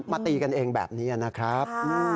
ตีกันเองแบบนี้นะครับ